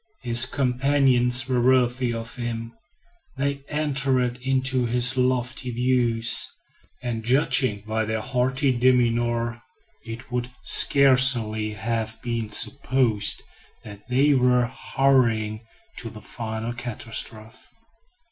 His companions were worthy of him; they entered into his lofty views; and judging by their haughty demeanor, it would scarcely have been supposed that they were hurrying to the final catastrophe.